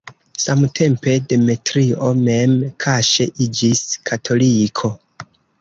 Samtempe Demetrio mem kaŝe iĝis katoliko.